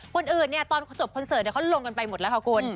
คนอื่นเนี่ยตอนจบคอนเสิร์ตเขาลงกันไปหมดแล้วค่ะคุณ